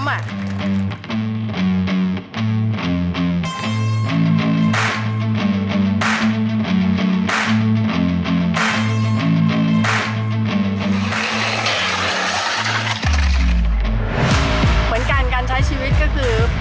เหมือนกันการใช้ชีวิตก็คือ